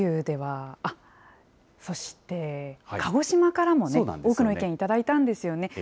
そして鹿児島からも多くの意見頂いたんですよね。